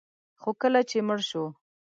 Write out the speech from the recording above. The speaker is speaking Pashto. خو کله چې مړ شو